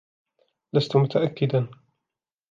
لست متأكدا.